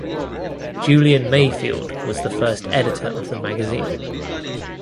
Julian Mayfield was the first editor of the magazine.